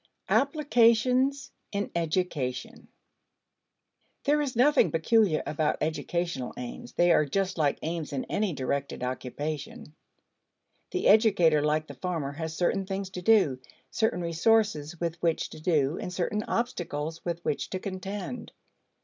Applications in Education. There is nothing peculiar about educational aims. They are just like aims in any directed occupation. The educator, like the farmer, has certain things to do, certain resources with which to do, and certain obstacles with which to contend.